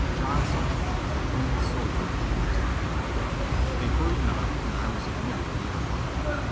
John Selden, was a famous sol dier in Lee's army. , A hurried knock and I was admitted into the parlor.